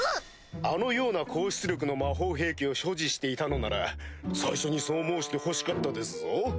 あのような高出力の魔法兵器を所持していたのなら最初にそう申してほしかったですぞ！